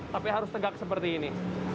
tapi harus tegak seperti ini